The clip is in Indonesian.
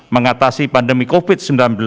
mengatasi pandemi covid sembilan belas